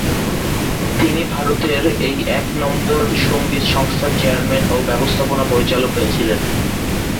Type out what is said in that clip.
তিনি ভারতের এই এক নম্বর সংগীত সংস্থার চেয়ারম্যান ও ব্যবস্থাপনা পরিচালক হয়েছিলেন।